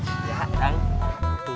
eda udah pulang tuh